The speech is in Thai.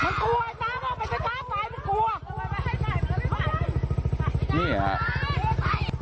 มากอดไว้กันเอาไว้